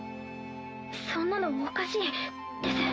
そんなのおかしいです。